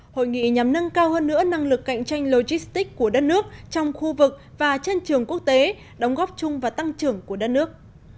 hội nghị nhằm nâng cao hơn nữa năng lực cạnh tranh logistics của đất nước trong khu vực và trên trường quốc tế đóng góp chung và tăng trưởng của đất nước